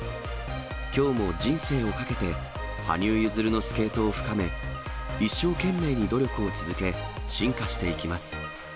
きょうも人生をかけて羽生結弦のスケートを深め、一生懸命に努力を続け、進化していきます。